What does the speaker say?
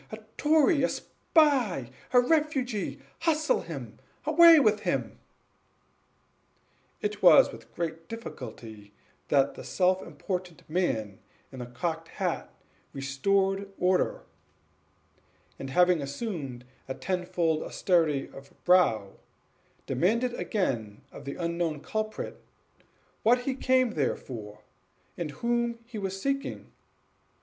a tory! a spy! a refugee! hustle him! away with him!" It was with great difficulty that the self important man in the cocked hat restored order; and, having assumed a tenfold austerity of brow, demanded again of the unknown culprit what he came there for, and whom he was seeking?